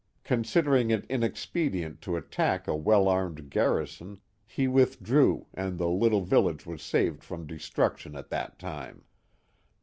Considering it inexpedient to attack a well armed garrison he withdrew and the little village was saved from de struction at that time.